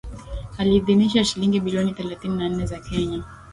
aliidhinisha shilingi bilioni thelathini na nne za Kenya